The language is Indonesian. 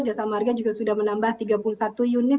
jasa marga juga sudah menambah tiga puluh satu unit